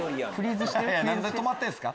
何で止まってるんすか？